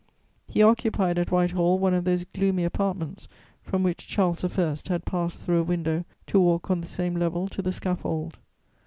He occupied, at Whitehall, one of those gloomy apartments from which Charles I. had passed through a window to walk on the same level to the scaffold.